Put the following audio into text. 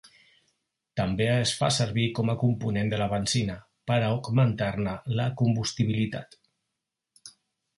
També es fa servir com a component de la benzina, per augmentar-ne la combustibilitat.